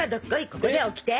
ここでオキテ！